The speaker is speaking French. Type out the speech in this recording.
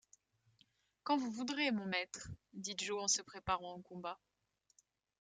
Quand vous voudrez, mon maître, dit Joe en se préparant au combat.